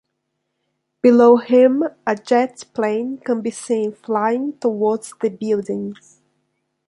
Below him, a jet plane can be seen flying towards the building.